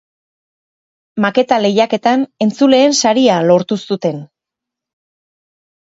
Maketa lehiaketan entzuleen saria lortu zuten.